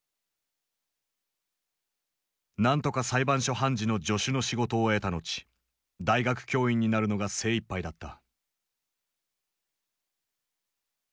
何とか裁判所判事の助手の仕事を得た後大学教員になるのが精いっぱいだった。